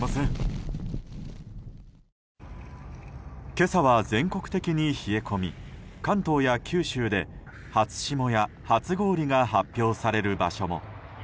今朝は全国的に冷え込み関東や九州で初霜や初氷が発表される場所も。